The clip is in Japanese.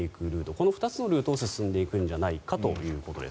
この２つのルートを進んでいくんじゃないかということです。